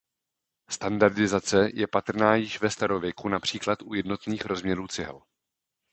Standardizace je patrná již ve starověku například u jednotných rozměrů cihel.